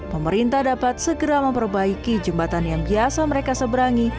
pemerintah dapat segera memperbaiki jembatan yang biasa mereka seberangi